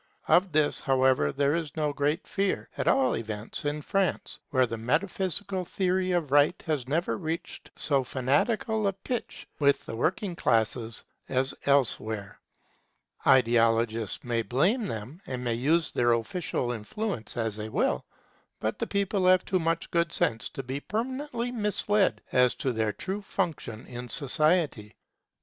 Of this, however, there is no great fear, at all events in France, where the metaphysical theory of Right has never reached so fanatical a pitch with the working classes as elsewhere. Ideologists may blame them, and may use their official influence as they will; but the people have too much good sense to be permanently misled as to their true function in society.